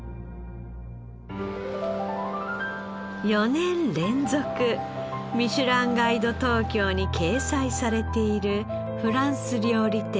４年連続『ミシュランガイド東京』に掲載されているフランス料理店ｒｅｃｔｅ。